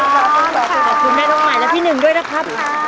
ขอบคุณแม่น้องใหม่และพี่หนึ่งด้วยนะคะ